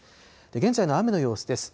現在の雨の様子です。